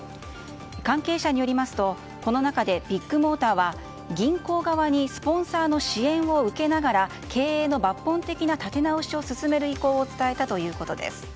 関係者によりますと、この中でビッグモーターは銀行側にスポンサーの支援を受けながら経営の抜本的な立て直しを進める意向を伝えたということです。